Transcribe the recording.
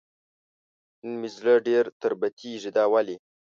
نن مې زړه ډېر تربتېږي دا ولې ؟